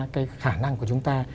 cái khả năng của chúng ta